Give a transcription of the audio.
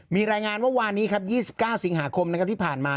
มีรายงานว่าวานี้ครับ๒๙สิงหาคมที่ผ่านมา